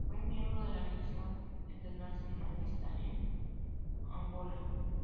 Fue miembro de la misión internacionalista en Angola.